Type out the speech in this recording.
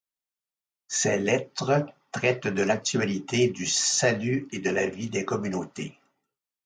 Ces lettres traitent de l'actualité du salut et de la vie des communautés.